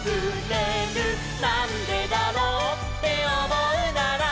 「なんでだろうっておもうなら」